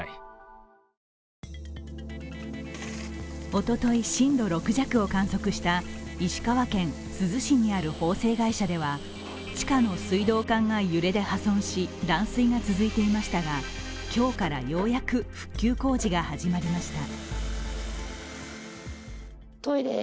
おととい、震度６弱を観測した石川県珠洲市にある縫製会社では地下の水道管が揺れで破損し断水が続いていましたが、今日からようやく復旧工事が始まりました。